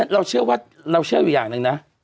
เราเชื่อว่าเราเชื่ออยู่อย่างหนึ่งนะ